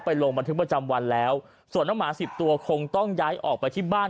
ลงบันทึกประจำวันแล้วส่วนน้องหมาสิบตัวคงต้องย้ายออกไปที่บ้าน